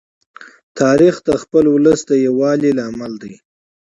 تاریخ د خپل ولس د یووالي لامل دی.